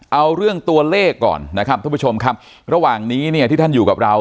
เอาเรื่องตัวเลขก่อนนะครับทุกผู้ชมครับระหว่างนี้เนี่ยที่ท่านอยู่กับเรา